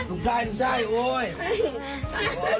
แม่บอกว่าไม่ได้เล่นน่ะ